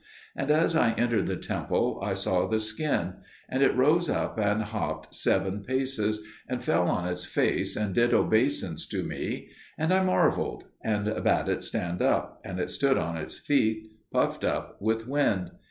And as I entered the temple I saw the skin; and it rose up and hopped seven paces, and fell on its face and did obeisance to me; and I marvelled, and bade it stand up; and it stood on its feet, puffed up with wind.